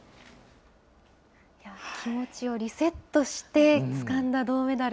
気持ちをリセットして、つかんだ銅メダル。